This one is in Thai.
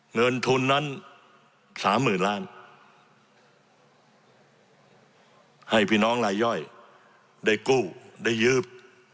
เงินทุนนั้นสามหมื่นล้านให้พี่น้องลายย่อยได้กู้ได้ยืม